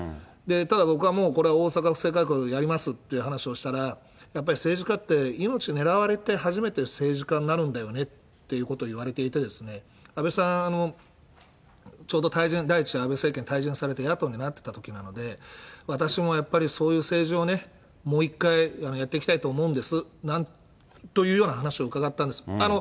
ただ僕はもう、これ、大阪府政改革やりますって話をしたら、やっぱり政治家って命狙われて初めて政治家になるんだよねっていうことを言われていて、安倍さん、ちょうど、退陣、第１次安倍政権退陣されて野党になってたときなので、私もやっぱり、そういう政治をね、もう一回やっていきたいと思うんですというような話を伺ったんです。